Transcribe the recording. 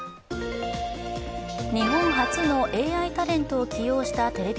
日本初のＡＩタレントを起用したテレビ